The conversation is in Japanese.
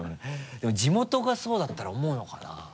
でも地元がそうだったら思うのかな？